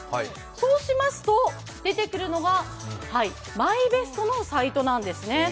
そうしますと出てくるのがｍｙｂｅｓｔのサイトなんですね。